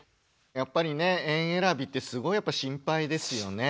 やっぱりね園えらびってすごいやっぱ心配ですよね。